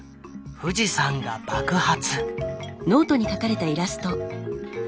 富士山が爆発！